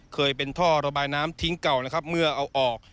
เคยเป็นท่อระบายน้ำทิ้งเก่านะครับเมื่อเอาออก